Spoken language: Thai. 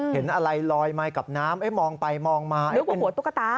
เห็นอะไรลอยมากับน้ำมองไปมองมานึกว่าหัวตุ๊กตา